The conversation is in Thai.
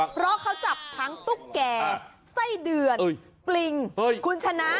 เพราะเขาจับทั้งตุ๊กแก่ไส้เดือนปลิงคุณชนะ